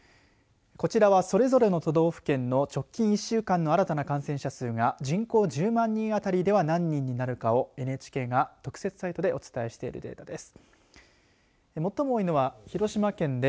こちらはそれぞれの都道府県の直近１週間の新たな感染者数が人口１０万人当たりでは何人になるかをＮＨＫが特設サイトでお伝えしているデータです。